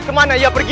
kemana ia pergi